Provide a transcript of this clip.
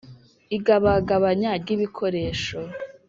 Igabagabanya ryibikoresho.